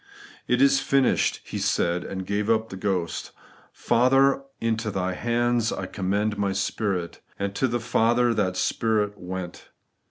' It is finished,' He said, and gave up the ghost 'Father, into Thy hands I commend my spirit;' and to the Father that spirit went.